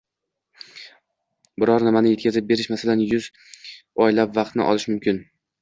Biror nimani yetkazib berish, masalan, yuz oylab vaqtni olishi mumkin.